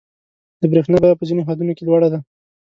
• د برېښنا بیه په ځینو هېوادونو کې لوړه ده.